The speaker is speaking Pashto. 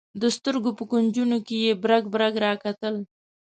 د سترګو په کونجونو کې یې برګ برګ راکتل.